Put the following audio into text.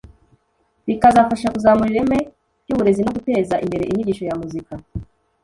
bikazafasha kuzamura ireme ry’uburezi no guteza imbere inyigisho ya muzika